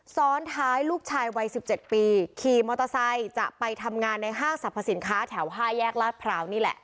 ซ้อนท้ายลูกชายวัย๑๗ปีขี่มอเตอร์ไซค์จะไปทำงานในห้างสรรพสินค้าแถว๕แยกลาดพร้าวนี่แหละ